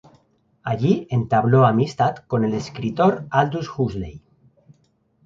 Allí entabló amistad con el escritor Aldous Huxley.